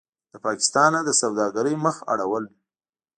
له پاکستانه د سوداګرۍ مخ اړول: